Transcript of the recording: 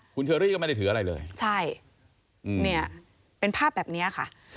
คุณเชอรี่ก็ไม่ได้ถืออะไรเลยใช่เนี่ยเป็นภาพแบบนี้ค่ะ